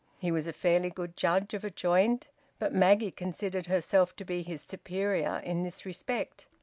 He was a fairly good judge of a joint, but Maggie considered herself to be his superior in this respect.